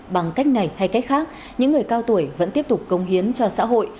bằng cách này hay cách khác những người cao tuổi vẫn tiếp tục công hiến cho xã hội